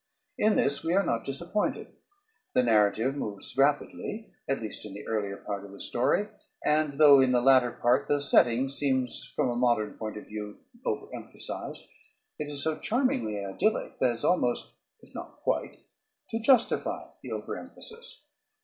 In this we are not disappointed. The narrative moves rapidly, at least in the earlier part of the story; and, though in the latter part the setting seems from a modern point of view over emphasized, it is so charmingly idyllic as almost, if not quite, to justify the over emphasis.